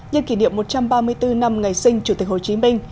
nhân kỷ niệm một trăm ba mươi bốn năm ngày sinh chủ tịch hồ chí minh